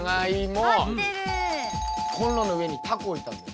コンロの上にたこおいたんだよ。